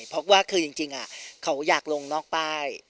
เพราะว่าคือจริงเขาอยากลงนอกป้าย